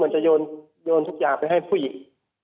จะโยนทุกอย่างไปให้ผู้หญิง